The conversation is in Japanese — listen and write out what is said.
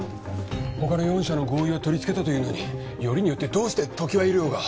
他の四社の合意は取りつけたというのによりによってどうして常盤医療が！？